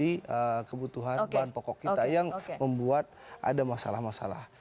ini adalah hal yang terjadi karena kebutuhan bahan pokok kita yang membuat ada masalah masalah